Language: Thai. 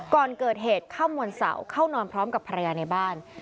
ก่อนเกิดเหตุค่ำวันเสาร์เข้านอนพร้อมกับภรรยาในบ้าน